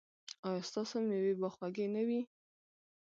ایا ستاسو میوې به خوږې نه وي؟